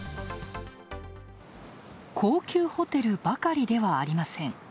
高級ホテルばかりではありません。